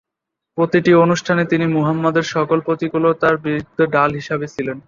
প্রতিটি অনুষ্ঠানে তিনি মুহাম্মাদের সকল প্রতিকূলতার বিরুদ্ধে ঢাল হিসাবে ছিলেন।